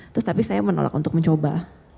terus tapi saya menolak untuk mencoba